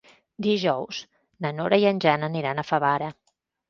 Dijous na Nora i en Jan aniran a Favara.